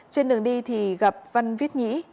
trên đường đi thì gặp văn viết nhĩ